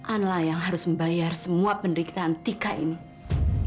anlah yang harus membayar semua penderitaan tika ini